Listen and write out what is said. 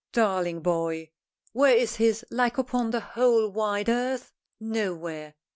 Darling boy! Where is his like upon the whole wide earth? Nowhere.